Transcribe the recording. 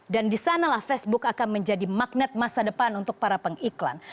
dan di sanalah facebook akan menjadi magnet masa depan untuk para pengiklan